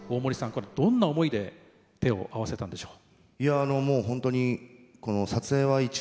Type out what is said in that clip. これどんな思いで手を合わせたんでしょう？